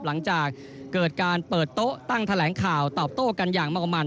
หลังจากเกิดการเปิดโต๊ะตั้งแถลงข่าวตอบโต้กันอย่างมากมัน